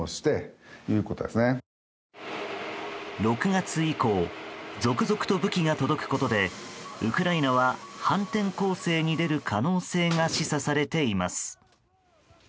６月以降続々と武器が届くことでウクライナは反転攻勢に出る可能性が示唆されています。